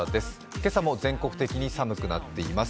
今朝も全国的に寒くなっています。